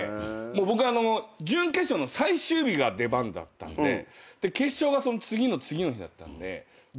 僕準決勝の最終日が出番だったんで決勝がその次の次の日だったんで。